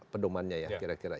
pedoman nya ya kira kira